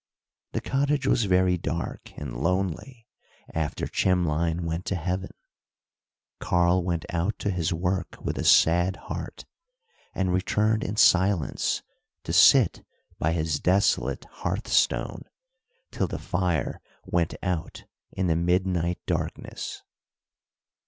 The cottage was very dark and lonely after Chimlein went to heaven. Karl went out to his work with a sad heart, and returned in silence to sit by his desolate hearth stone, till the fire went out in the midnight darkness.